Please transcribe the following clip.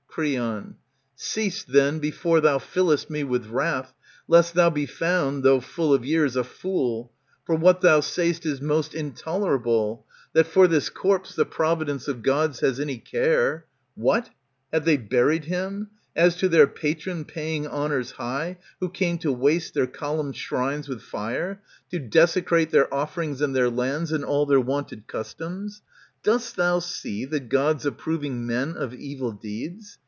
C?'eon, Cease then, before thou fillest me with wrath, Lest thou be found, though full of years, a fool, ^^^ For what thou say'st is most intolerable. That for this corpse the providence of Gods Has any care. What ! have they buried him, As to their patron paying honours high, Who came to waste their columned shrines with fire, To desecrate their offerings and their lands, And all their wonted customs ? Dost thou see The Gods approving men of evil deeds